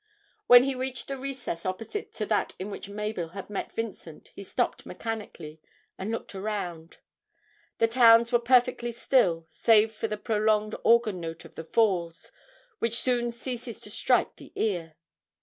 When he reached the recess opposite to that in which Mabel had met Vincent he stopped mechanically and looked around; the towns were perfectly still, save for the prolonged organ note of the falls, which soon ceases to strike the ear.